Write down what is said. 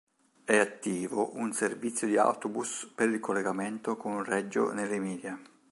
È attivo un servizio di autobus per il collegamento con Reggio nell'Emilia.